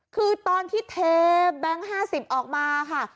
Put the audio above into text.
คือตอนที่เทแบงค์๕๐ออกมาค่ะ